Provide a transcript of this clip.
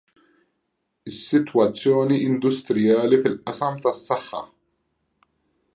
Is-Sitwazzjoni Industrijali fil-Qasam tas-Saħħa.